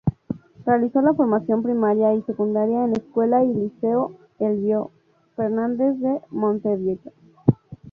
Realizó la formación primaria y secundaria en Escuela y Liceo Elbio Fernández de Montevideo.